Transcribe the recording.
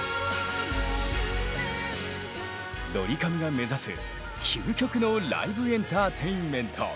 ドリカムが目指す究極のライブエンターテインメント。